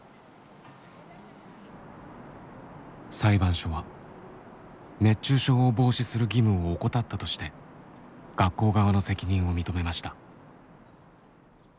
裁判所は熱中症を防止する義務を怠ったとして学校側の責任を認めました。